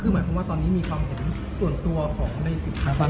คือหมายความว่าตอนนี้มีความเห็นส่วนตัวของในสิทธาบัน